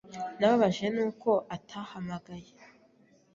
Nababajwe nuko utahamagaye.